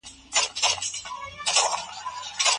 ولي هوډمن سړی د لایق کس په پرتله خنډونه ماتوي؟